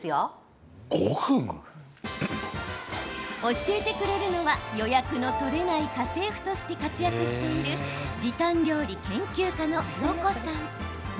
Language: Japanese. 教えてくれるのは予約の取れない家政婦として活躍している時短料理研究家の、ろこさん。